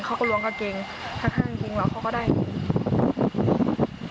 เขาก็ล้วงกางเกงทางกางเกงเราเขาก็ได้เงิน